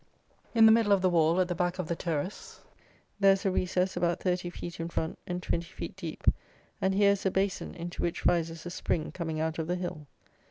In the middle of the wall, at the back of the terrace, there is a recess about thirty feet in front and twenty feet deep, and here is a basin, into which rises a spring coming out of the hill.